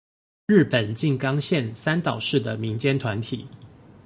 日本靜岡縣三島市的民間團體